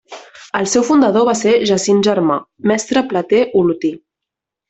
El seu fundador va ser Jacint Germà, mestre plater olotí.